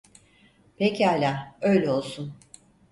Pekâlâ, öyle olsun.